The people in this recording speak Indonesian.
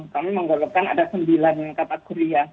kami menggolongkan ada sembilan kata kuria